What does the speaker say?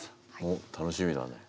おっ楽しみだね。